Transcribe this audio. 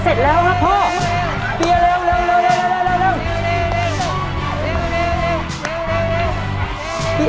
เสร็จแล้วครับพ่อเคลียร์เร็ว